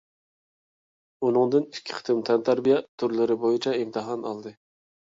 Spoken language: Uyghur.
ئۇنىڭدىن ئىككى قېتىم تەنتەربىيە تۈرلىرى بويىچە ئىمتىھان ئالدى.